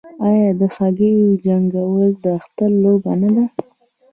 آیا د هګیو جنګول د اختر لوبه نه ده؟